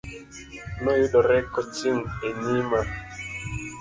Noyudre ka Ochung' e nyima.